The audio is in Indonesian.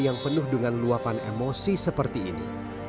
yang penuh dengan luapan emosi seperti ini